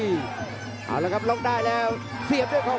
โอ้โหไม่พลาดกับธนาคมโด้แดงเขาสร้างแบบนี้